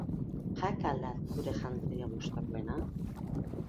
Jaka al da zure jantzirik gustukoena?